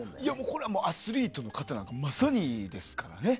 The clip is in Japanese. これは、アスリートの方なんかまさにですからね。